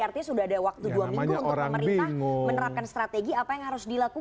artinya sudah ada waktu dua minggu untuk pemerintah menerapkan strategi apa yang harus dilakukan